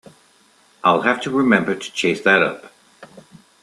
I’ll have to remember to chase that up.